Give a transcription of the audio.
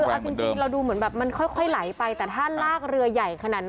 พี่บูรำนี้ลงมาแล้ว